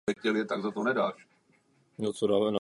Právě toto přispívá k světovému rozvoji.